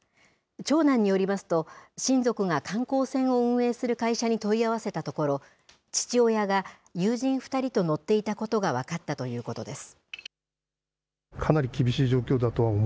長男によりますと、親族が観光船を運営する会社に問い合わせたところ、父親が友人２人と乗っていたことが分かったということです。